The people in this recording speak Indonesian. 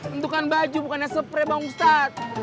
tentukan baju bukannya spray bang ustadz